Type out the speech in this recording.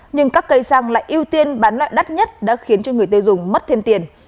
nhưng các cây xăng lại ưu tiên bán lại đắt nhất đã khiến cho người tiêu dùng mất thêm tiền